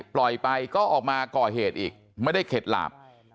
ปล่อยไปก็ออกมาก่อเหตุอีกไม่ได้เข็ดหลาบ